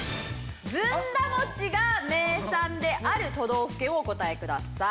ずんだ餅が名産である都道府県をお答えください。